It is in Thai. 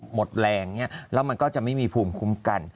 หมดแรงแล้วมันก็จะไม่มีภูมิคุ้มกัน